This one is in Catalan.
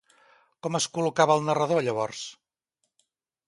Com es col·locava el narrador llavors?